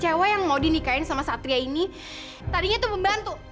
cewek yang mau dinikain sama satria ini tadinya tuh membantu